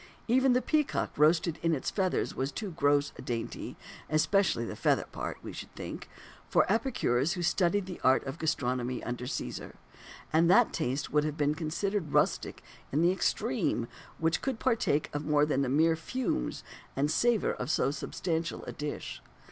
Even the peacock roasted in its feathers was too gross a dainty" especially the feather part, we should think "for epicures who studied the art of gastronomy under Caesar; and that taste would have been considered rustic in the extreme which could partake of more than the mere fumes and savour of so substantial a dish.